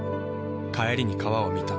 帰りに川を見た。